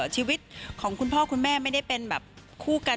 ชีวิตของคุณพ่อคุณแม่ไม่ได้เป็นแบบคู่กัน